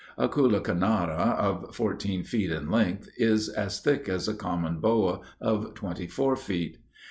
A coulacanara of fourteen feet in length, is as thick as a common boa of twenty four feet.